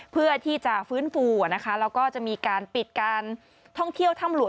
เพื่อที่จะฟื้นฟูนะคะแล้วก็จะมีการปิดการท่องเที่ยวถ้ำหลวง